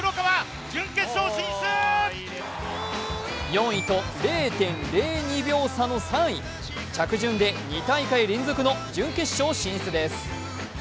４位と、０．０２秒差の３位。着順で２大会連続の準決勝進出です。